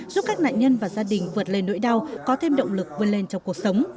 giúp các nạn nhân và gia đình vượt lên nỗi đau có thêm động lực vươn lên trong cuộc sống